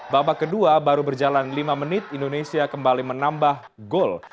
babak kedua baru berjalan lima menit indonesia kembali menambah gol